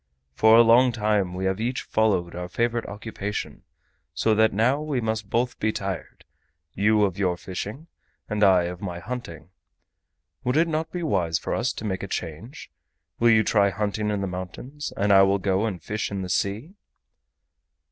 For a long time we have each followed our favorite occupation, so that now we must both be tired, you of your fishing and I of my hunting. Would it not be wise for us to make a change? Will you try hunting in the mountains and I will go and fish in the sea?"